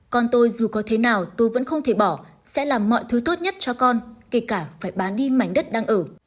con tôi dù có thế nào tôi vẫn không thể bỏ sẽ làm mọi thứ tốt nhất cho con kể cả phải bán đi mảnh đất đang ở